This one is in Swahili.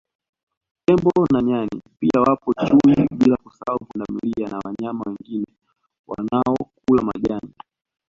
Tembo na Nyani pia wapo Chui bila kusahau Pundamilia na wanyama wengine wanaokula majani